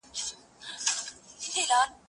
زه بايد درسونه اورم؟!